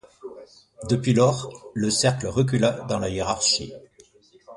Depuis lors, le cercle recula dans la hiérarchie.